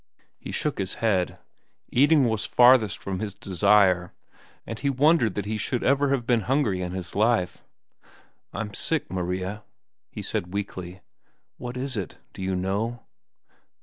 He shook his head. Eating was farthest from his desire, and he wondered that he should ever have been hungry in his life. "I'm sick, Maria," he said weakly. "What is it? Do you know?"